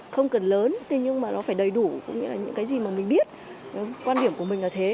không cần lớn thế nhưng mà nó phải đầy đủ có nghĩa là những cái gì mà mình biết quan điểm của mình là thế